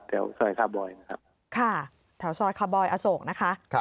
ซอยคาบอยนะครับค่ะแถวซอยคาบอยอโศกนะคะ